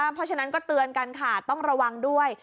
เพราะฉะนั้นก็เตือนกันค่ะต้องระวังด้วย